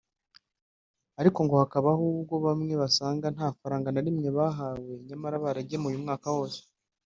ariko ngo hakabaho ubwo bamwe basanga nta faranga na rimwe bahawe nyamara baragemuye umwaka wose